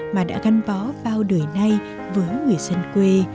mà đã gắn bó bao đời nay với người dân quê